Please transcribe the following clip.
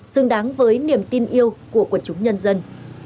xứng đáng với niềm tin yêu của quần chúng nhân dân